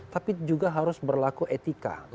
tapi juga harus berlaku etika